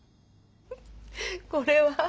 これは？